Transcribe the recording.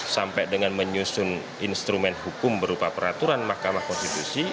sampai dengan menyusun instrumen hukum berupa peraturan mahkamah konstitusi